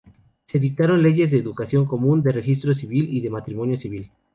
Se dictaron leyes de educación común, de registro civil y de matrimonio civil.